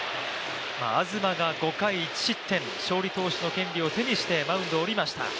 東が５回１失点、勝利投手の権利を手にしｔマウンドを下りました。